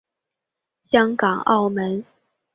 香港澳门